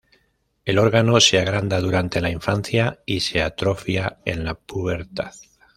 El órgano se agranda durante la infancia y se atrofia en la pubertad.